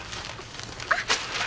あっ！